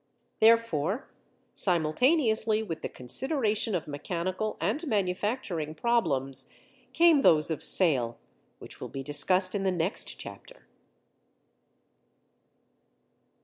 Therefore, simultaneously with the consideration of mechanical and manufacturing problems came those of sale, which will be discussed in the next chapter.